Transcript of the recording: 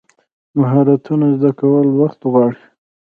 مهارتونه زده کول وخت غواړي.